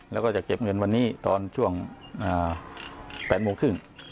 แล้วก็จะเก็บเงินวันนี้ตอนช่วง๘โมงครึ่ง